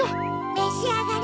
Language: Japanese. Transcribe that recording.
めしあがれ。